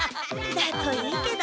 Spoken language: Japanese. だといいけど。